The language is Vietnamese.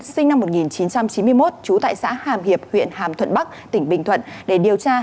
sinh năm một nghìn chín trăm chín mươi một trú tại xã hàm hiệp huyện hàm thuận bắc tỉnh bình thuận